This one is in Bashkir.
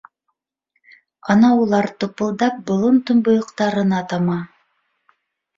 Ана улар тупылдап болон томбойоҡтарына тама.